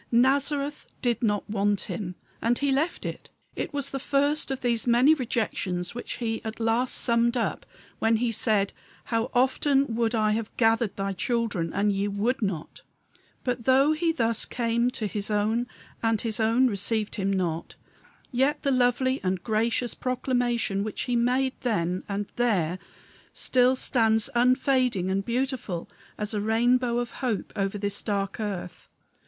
Nazareth did not want Him; and he left it. It was the first of those many rejections which He at last summed up when he said, "How often would I have gathered thy children, and ye would not." But, though he thus came to his own and his own received him not, yet the lovely and gracious proclamation which he made then and there still stands unfading and beautiful as a rainbow of hope over this dark earth.